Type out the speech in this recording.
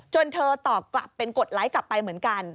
จนเธอตอบเปลี่ยนกดไลค์กลับไปเหมือนกัน